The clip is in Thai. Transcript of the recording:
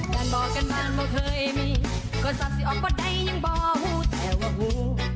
การบอกกันบ้านบ่เคยมีก็สาธิออกบ่ได้ยังบ่หูแถวหู